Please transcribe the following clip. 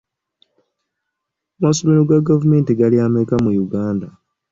Amasomero ga gavumenti gali ameka mu Uganda?